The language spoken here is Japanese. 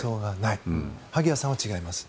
萩谷さんは違います？